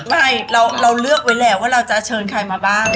ไม่เราเลือกไว้แล้วว่าเราจะเชิญใครมาบ้าง